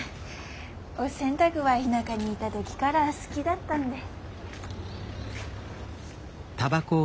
お洗濯は田舎にいだ時から好きだったんで。